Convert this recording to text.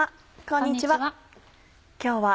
こんにちは。